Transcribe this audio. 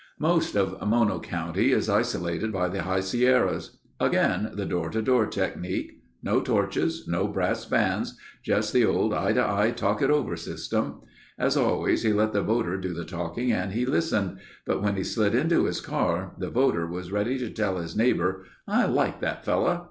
Most of Mono county is isolated by the High Sierras. Again the door to door technique. No torches. No brass bands. Just the old eye to eye talk it over system. As always he let the voter do the talking and he listened, but when he slid into his car the voter was ready to tell his neighbor: "I like that fellow.